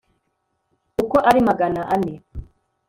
uko ari magana ane